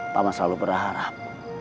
paman selalu berharap